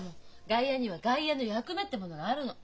外野には外野の役目ってものがあるの。